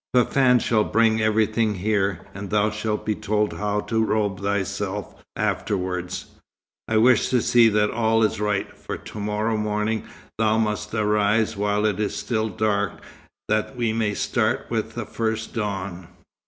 "Fafann shall bring everything here, and thou shalt be told how to robe thyself afterwards. I wish to see that all is right, for to morrow morning thou must arise while it is still dark, that we may start with the first dawn."